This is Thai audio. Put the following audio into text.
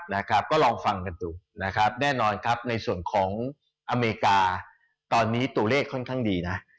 นะครับก็ลองฟังกันดูนะครับแน่นอนครับในส่วนของอเมริกาตอนนี้ตัวเลขค่อนข้างดีนะ